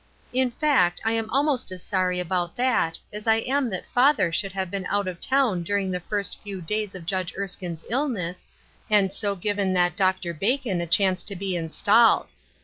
In fact, I am almost as sorry about that as I am that father should have been out of town during the first few days of Judge Erskine's illness, and so given that Dr. Bacon a chance to be installed.